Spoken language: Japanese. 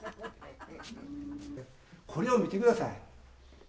これを見てください。